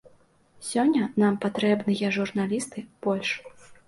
Сёння нам патрэбныя журналісты больш.